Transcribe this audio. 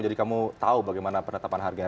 jadi kamu tahu bagaimana penetapan harganya